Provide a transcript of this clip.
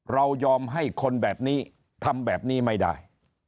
ยอมให้คนแบบนี้ทำแบบนี้ไม่ได้